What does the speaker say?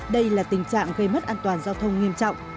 đây là tình trạng gây mất an toàn giao thông nghiêm trọng